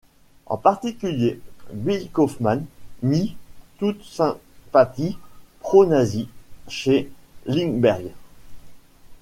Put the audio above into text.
En particulier, Bill Kauffman nie toute sympathie pro-nazi chez Lindbergh.